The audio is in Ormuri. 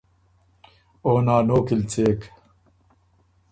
او نانو کی ل څېک۔